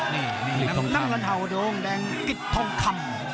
น้ำเงินเห่าดงแดงกิฒทมคำ